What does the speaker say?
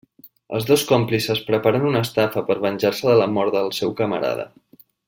Els dos còmplices preparen una estafa per venjar-se de la mort del seu camarada.